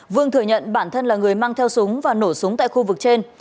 vương thừa nhận bản thân là người mang theo súng và nổ súng tại khu vực trên